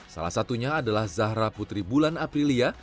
salah satunya adalah zahra putri bulan aprilia